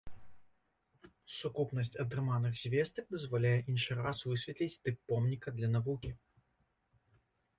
Сукупнасць атрыманых звестак дазваляе іншы раз высветліць тып помніка для навукі.